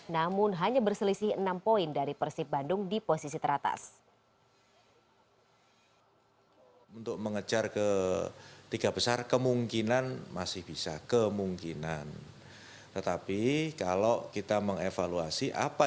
namun hanya berselisih enam poin dari persib bandung di posisi teratas